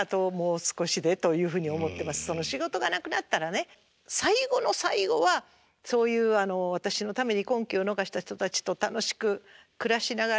仕事がなくなったらね最後の最後はそういう私のために婚期を逃した人たちと楽しく暮らしながら孫に孫の世話したりとか。